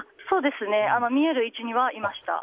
見える位置にいました。